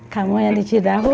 kamu yang di cirewo